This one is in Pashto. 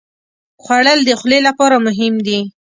خوړل د خولې لپاره مهم دي